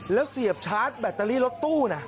แล้วเสียบชาร์จแบตเตอรี่รถตู้นะ